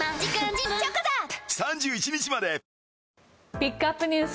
ピックアップＮＥＷＳ